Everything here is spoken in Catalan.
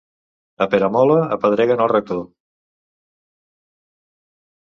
A Peramola apedreguen el rector.